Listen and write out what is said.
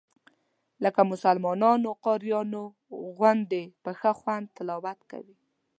لکه مسلمانانو قاریانو غوندې په ښه خوند تلاوت کوي.